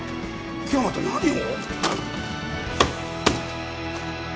今日はまた何を？